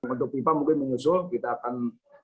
untuk viva mungkin mengusul kita akan